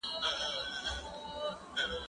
هغه څوک چي کتابونه وړي پوهه زياتوي؟